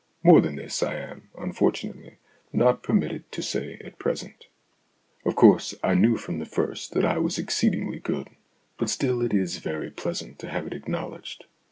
More than this I am, unfortunately, not permitted to say at present." STORIES IN GREY Of course, I knew from the first that I was exceedingly good, but still it is very pleasant to have it acknowledged.